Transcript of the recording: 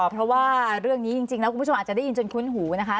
เพราะว่าเรื่องนี้จริงแล้วคุณผู้ชมอาจจะได้ยินจนคุ้นหูนะคะ